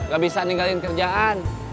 gak bisa ninggalin kerjaan